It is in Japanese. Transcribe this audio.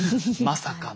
まさかの。